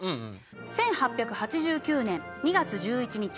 １８８９年２月１１日